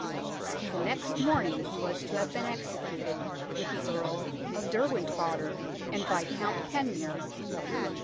The next morning he was to have been executed, with the Earl of Derwentwater and Viscount Kenmure.